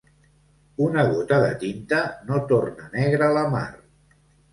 Una gota de tinta no torna negra la mar.